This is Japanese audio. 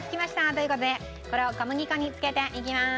という事でこれを小麦粉に付けていきます。